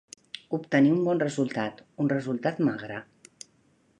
Obtenir un bon resultat, un resultat magre.